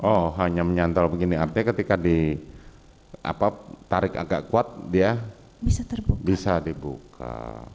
oh hanya menyantal begini artinya ketika ditarik agak kuat dia bisa dibuka